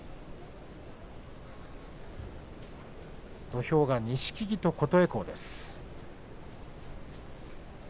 土俵は錦木と琴恵光です。